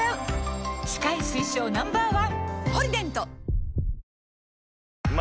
歯科医推奨 Ｎｏ．１！